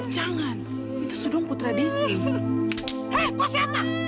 jangan itu sudung putra desa